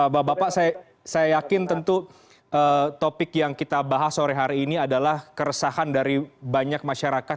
bapak bapak saya yakin tentu topik yang kita bahas sore hari ini adalah keresahan dari banyak masyarakat